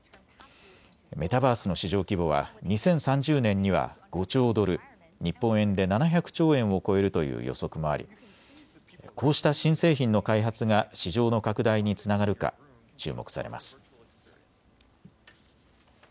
メタバースの市場規模は２０３０年には５兆ドル、日本円で７００兆円を超えるという予測もありこうした新製品の開発が市場の拡大につながるか注目されます。